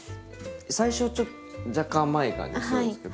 最初はちょっと若干甘い感じがするんですけど。